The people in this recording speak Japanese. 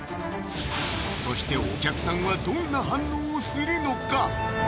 そしてお客さんはどんな反応をするのか？